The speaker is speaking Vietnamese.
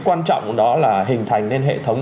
quan trọng đó là hình thành nên hệ thống